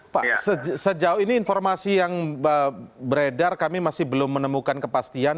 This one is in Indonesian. pak sejauh ini informasi yang beredar kami masih belum menemukan kepastian